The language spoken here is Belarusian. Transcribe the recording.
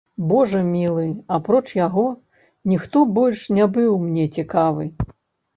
Божа мілы, апроч яго, ніхто больш не быў мне цікавы.